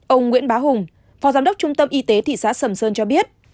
ông nguyễn bá hùng phó giám đốc trung tâm y tế thị xã sầm sơn cho biết